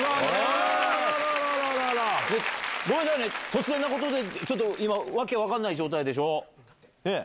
突然なことで訳分かんない状態でしょ？